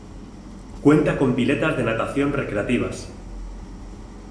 Cuenta con piletas de natación recreativas.